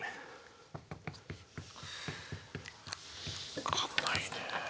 わかんないねえ。